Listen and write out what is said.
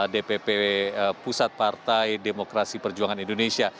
dpp pusat partai demokrasi perjuangan indonesia